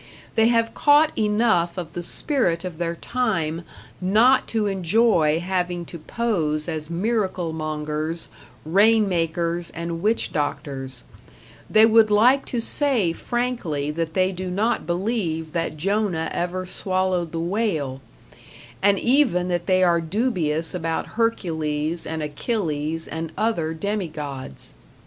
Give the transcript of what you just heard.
They have caught enough of the spirit of their time not to enjoy having to pose as miracle mongers, rain makers and witch doctors; they would like to say frankly that they do not believe that Jonah ever swallowed the whale, and even that they are dubious about Hercules and Achilles and other demigods.